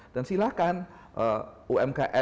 dan silakan umkm